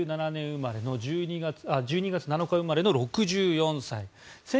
１９５７年１２月７日生まれの６４歳。